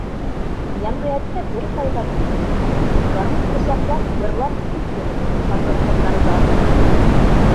Йәмғиәткә бер файҙа килтермәне, гармун ҡосаҡлап, йырлап тик йөрөнө ҡатын-ҡыҙҙарҙы аҙҙырып!